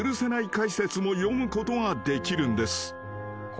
解説も読むことができるんです］